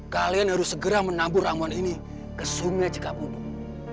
kalian harus segera menambuh ramuan ini ke sungai jika pundung